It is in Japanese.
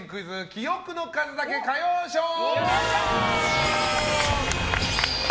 記憶の数だけ歌謡ショー。